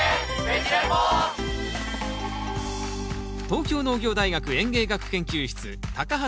東京農業大学園芸学研究室畑健教授